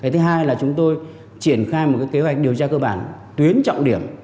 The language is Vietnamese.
thứ hai là chúng tôi triển khai một kế hoạch điều tra cơ bản tuyến trọng điểm